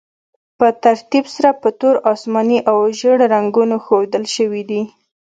په ترتیب سره په تور، اسماني او ژیړ رنګونو ښودل شوي دي.